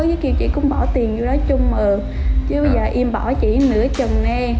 với cái kêu chị cũng bỏ tiền vô đó chung mượm chứ bây giờ em bỏ chỉ nửa trần nè